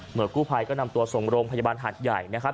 กู้ภัยก็นำตัวส่งโรงพยาบาลหาดใหญ่นะครับ